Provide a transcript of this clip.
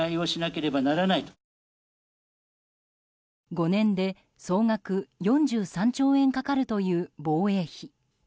５年で総額４３兆円かかるという防衛費。